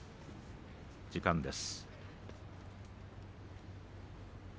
時間です。